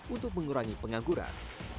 untuk mengurangi pengangguran